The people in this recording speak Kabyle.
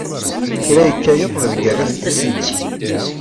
Kra yekka yiḍ d lgerra tekkat.